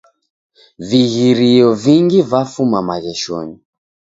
Vighirio vingi vafuma magheshonyi.